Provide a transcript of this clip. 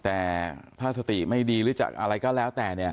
แต่ถ้าสติไม่ดีหรืออะไรก็แล้วแต่